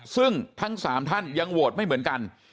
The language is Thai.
ซึ่งทั้ง๓ท่านยังโหวตไม่เหมือนกัน